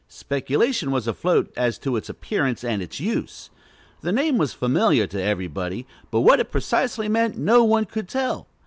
Speculation was afloat as to its appearance and its use. The name was familiar to everybody; but what it precisely meant, no one could tell.